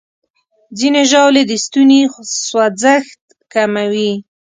ځینې ژاولې د ستوني سوځښت کموي.